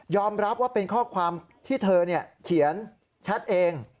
รับว่าเป็นข้อความที่เธอเขียนแชทเอง